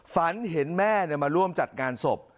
ฝันเห็นแม่มาร่วมจัดงานศพ